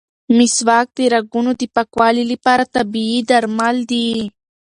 مسواک د رګونو د پاکوالي لپاره طبیعي درمل دي.